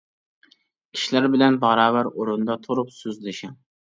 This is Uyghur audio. كىشىلەر بىلەن باراۋەر ئورۇندا تۇرۇپ سۆزلىشىڭ.